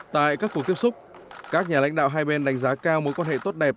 tại các cuộc tiếp xúc các nhà lãnh đạo hai bên đánh giá cao mối quan hệ tốt đẹp